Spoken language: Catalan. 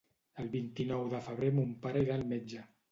El vint-i-nou de febrer mon pare irà al metge.